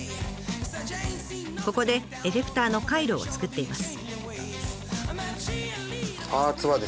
ここでエフェクターの回路をつくっています。